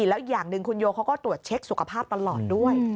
แล้วอีกอย่างหนึ่งคุณโยเขาก็ตรวจเช็คสุขภาพตลอดด้วย